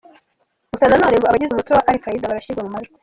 Gusa nanone ngo abagize umutwe wa Al Quaeda barashyirwa mu majwi.